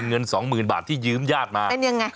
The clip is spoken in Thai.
เงิน๒๐๐๐๐บาทที่ยื้มยากมา